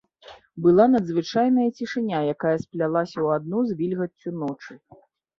Была надзвычайная цішыня, якая сплялася ў адно з вільгаццю ночы.